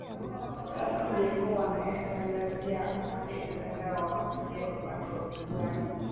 sasa imekuwa wanaweza enda pia upande uganda waone pia upande wa uganda